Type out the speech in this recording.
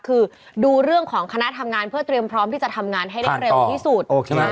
คือดูเรื่องของคณะทำงานเพื่อเตรียมพร้อมที่จะทำงานให้ได้เร็วที่สุด